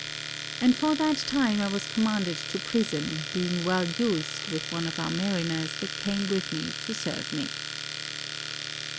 And for that time I was commanded to prison, being well used, with one of our mariners that came with me to serve me.